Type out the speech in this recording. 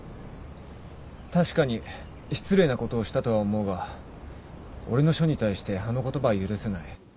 確かに失礼なことをしたとは思うが俺の書に対してあの言葉は許せない。